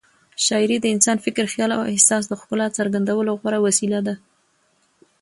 شاعري د انساني فکر، خیال او احساس د ښکلا څرګندولو غوره وسیله ده.